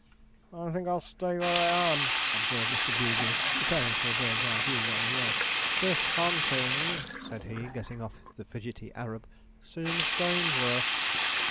'I think I'll stay where I am,' observed Mr. Bugles, preparing for a bird's eye view where he was. 'This hunting,' said he, getting off the fidgety Arab, 'seems dangerous.'